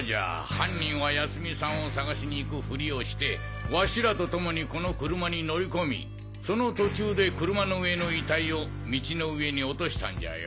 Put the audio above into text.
犯人は泰美さんを捜しに行くフリをしてわしらとともにこの車に乗り込みその途中で車の上の遺体を道の上に落としたんじゃよ！